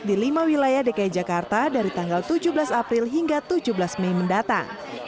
di lima wilayah dki jakarta dari tanggal tujuh belas april hingga tujuh belas mei mendatang